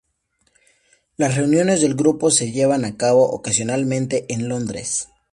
Las reuniones del grupo se llevaban a cabo ocasionalmente en Londres.